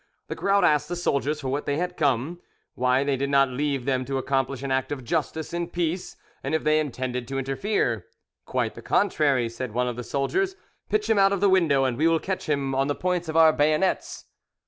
The crowd asked the soldiers for what they had come, why they did not leave them to accomplish an act of justice in peace, and if they intended to interfere. "Quite the contrary," said one of the soldiers; "pitch him out of the window, and we will catch him on the points of our bayonets."